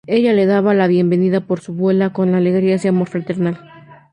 Ella le da la bienvenida por su vuela con alegrías y amor fraternal.